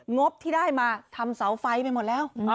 งบที่ได้มาทำเสาไฟไปหมดแล้ว